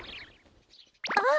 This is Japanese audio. あっ！